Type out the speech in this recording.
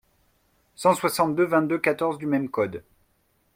cent soixante-deux-vingt-deux-quatorze du même code.